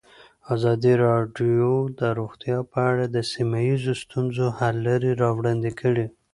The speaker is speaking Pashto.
ازادي راډیو د روغتیا په اړه د سیمه ییزو ستونزو حل لارې راوړاندې کړې.